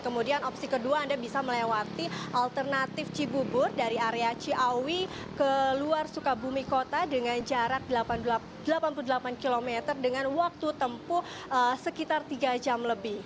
kemudian opsi kedua anda bisa melewati alternatif cibubur dari area ciawi ke luar sukabumi kota dengan jarak delapan puluh delapan km dengan waktu tempuh sekitar tiga jam lebih